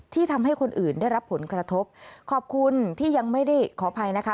ทำให้คนอื่นได้รับผลกระทบขอบคุณที่ยังไม่ได้ขออภัยนะคะ